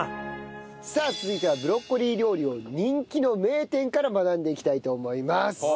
さあ続いてはブロッコリー料理を人気の名店から学んでいきたいと思います。